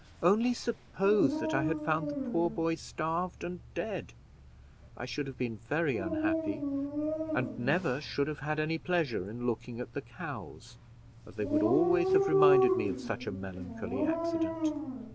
Only suppose that I had found the poor boy starved and dead! I should have been very unhappy, and never should have had any pleasure in looking at the cows, as they would always have reminded me of such a melancholy accident."